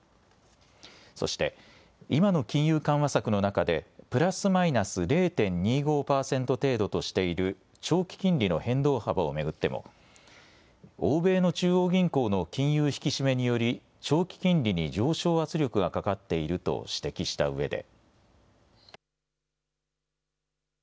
そして今の金融緩和策の中でプラスマイナス０．２５％程度としている長期金利の変動幅を巡っても欧米の中央銀行の金融引き締めにより長期金利に上昇圧力がかかっていると指摘したうえで。